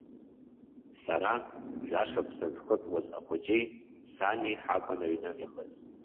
Сара, жәашықәса зхыҵуаз ахәыҷи, сани ҳакәын аҩны иахыз.